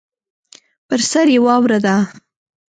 پر سر یې واوره ده.